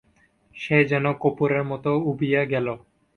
সে যেন কপূরের মতো উবিয়া গেল!